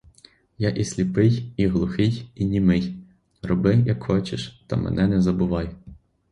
Я і сліпий, і глухий, і німий: роби, як хочеш, та мене не забувай.